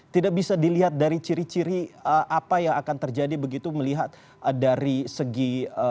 tidak bisa dilihat dari ciri ciri apa yang akan terjadi begitu melihat dari segi